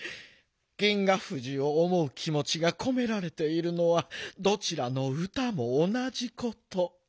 銀河フジをおもうきもちがこめられているのはどちらのうたもおなじこと。